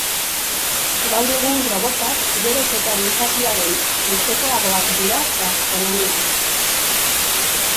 Gaur egun, robotak geroz eta gizakiaren antzekoagoak dira gastronomian.